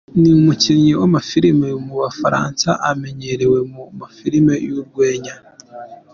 Ni umukinnyi w’amafilime mu bufaransa umenyerewe mu mafilime y’urwenya.